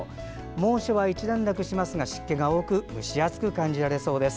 猛暑は一段落しますが湿気が多く蒸し暑く感じられそうです。